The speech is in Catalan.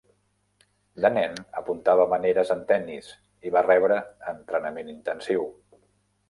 De nen apuntava maneres en tennis i va rebre entrenament intensiu.